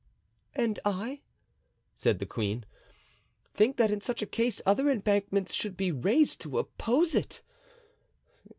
"And I," said the queen, "think that in such a case other embankments should be raised to oppose it.